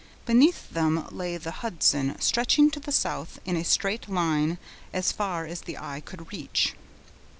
Beneath them lay the Hudson, stretching to the south in a straight line, as far as the eye could reach.